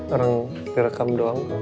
orang direkam doang